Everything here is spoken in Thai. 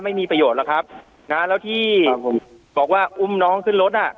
ไม่มีประโยชน์หรอกครับนะแล้วที่ผมบอกว่าอุ้มน้องขึ้นรถอ่ะ